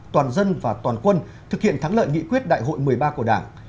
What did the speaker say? toàn dân và toàn quân thực hiện thắng lợi nghị quyết đại hội một mươi ba của đảng